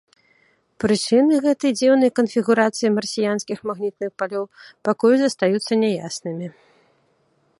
Прычыны гэтай дзіўнай канфігурацыі марсіянскіх магнітных палёў пакуль застаюцца няяснымі.